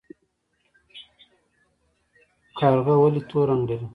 کارغه ولې تور رنګ لري؟